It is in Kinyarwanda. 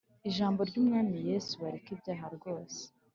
ijambo ry'umwami yesu, bareke ibyaha rwose.